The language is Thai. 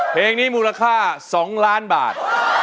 เพลงนี้มูลค่า๒ล้านบาท